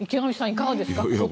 いかがですか？